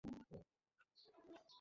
Vodka সঙ্গে করে নিয়ে যাবো মানে?